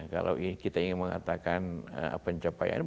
kalau kita ingin mengatakan pencapaian